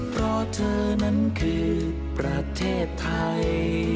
เพราะเธอนั้นคือประเทศไทย